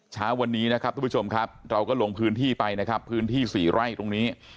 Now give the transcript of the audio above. เช้าวันนี้นะครับทุกผู้ชมครับเราก็ลงพื้นที่ไปนะครับพื้นที่สี่ไร่ตรงนี้